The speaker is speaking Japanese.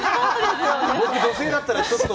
僕、女性だったら、ちょっと。